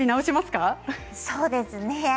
そうですね。